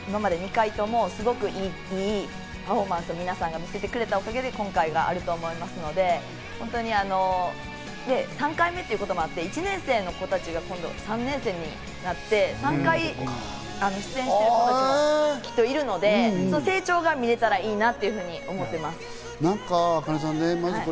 ２回、今まで２回とも、すごくいいパフォーマンスを皆さんが見せてくれたおかげで今回があると思いますので、３回目ということもあって、１年生の子たちが今度３年生になって、３回出演しているコたちもきっといるので、成長が見られたらいいなというふうに思っています。